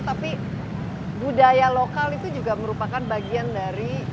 tapi budaya lokal itu juga merupakan bagian dari